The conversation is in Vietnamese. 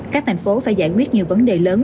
các thành phố phải giải quyết nhiều vấn đề lớn